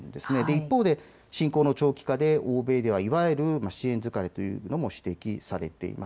一方で侵攻の長期化で欧米ではいわゆる支援疲れというのも指摘されています。